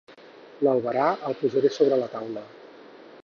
L'albarà el posaré sobre la taula.